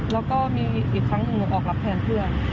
แล้วก็มีอีกครั้งหนึ่งหนูออกรับแทนเพื่อน